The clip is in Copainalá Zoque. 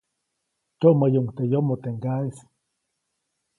Tyoʼmäyuʼuŋ teʼ yomo teʼ ŋgaʼeʼis.